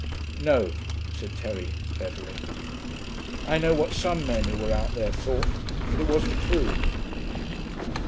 'No,' said Terry, levelly. 'I know what some men who were out there thought, but it wasn't true.'